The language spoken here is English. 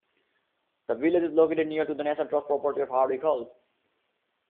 The village is located near to the National Trust property of Hardwick Hall.